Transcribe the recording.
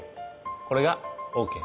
これがＯＫ。